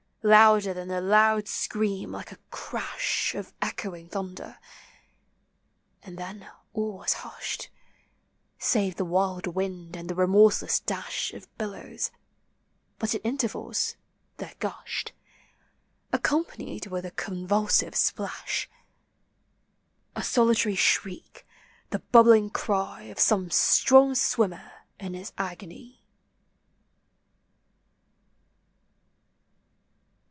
Louder than the loud ocean, like a crash Of echoing thunder; and then all was hushed, Save the wild wind and the remorseless dash Of billows; but at intervals there gushed, Accompanied with a convulsive splash, A solitary shriek, the bubbling cry Of some strong swimmer in his agony.